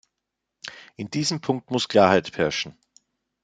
In diesem Punkt muss Klarheit herrschen.